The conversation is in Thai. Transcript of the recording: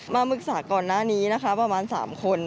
มาปรึกษาก่อนหน้านี้นะคะประมาณ๓คน